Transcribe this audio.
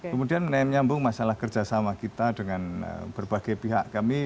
kemudian menyambung masalah kerjasama kita dengan berbagai pihak kami